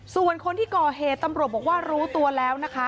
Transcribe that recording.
ส่วนคนที่ก่อเหตุตำรวจบอกว่ารู้ตัวแล้วนะคะ